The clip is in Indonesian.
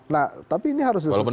nah tapi ini harus disusun